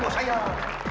oh bosnya kicap itu